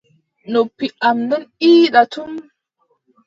Noppi am don iida tum.